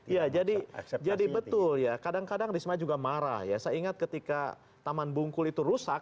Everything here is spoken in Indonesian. ya jadi betul ya kadang kadang risma juga marah ya saya ingat ketika taman bungkul itu rusak